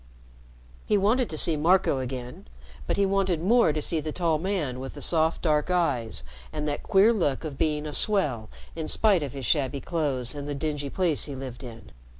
He wanted to see Marco again, but he wanted more to see the tall man with the soft dark eyes and that queer look of being a swell in spite of his shabby clothes and the dingy place he lived in.